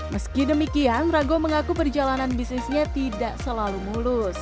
meski demikian rago mengaku perjalanan bisnisnya tidak selalu mulus